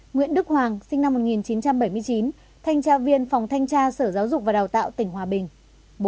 nguyễn đức hoàng sinh năm một nghìn chín trăm bảy mươi chín thanh tra viên phòng thanh tra sở giáo dục và đào tạo tỉnh hòa bình